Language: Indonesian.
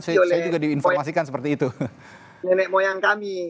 jadi itu yang disediakan oleh nenek moyang kami